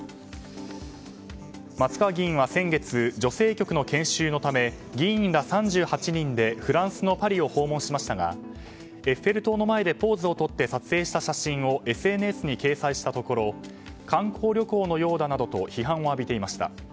松川議員は先月女性局の研修のため議員ら３８人でフランスのパリを訪問しましたがエッフェル塔の前でポーズをとって撮影した写真をＳＮＳに掲載したところ観光旅行のようだなどと批判を浴びていました。